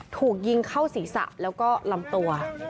ถูกยิงเข้าศีรษะแล้วก็ลำตัว